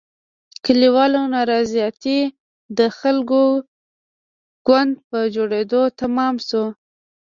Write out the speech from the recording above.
کلیوالو نارضایتي د خلکو ګوند په جوړېدو تمامه شوه.